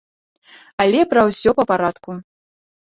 Але пра ўсё па парадку.